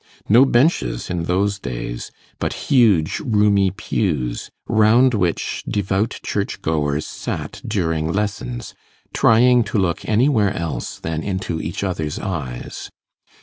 No benches in those days; but huge roomy pews, round which devout church goers sat during 'lessons', trying to look anywhere else than into each other's eyes.